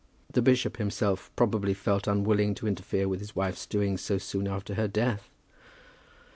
The bishop himself probably felt unwilling to interfere with his wife's doings so soon after her death!